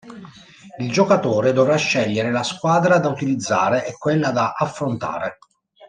Il giocatore dovrà scegliere la squadra da utilizzare e quella da affrontare.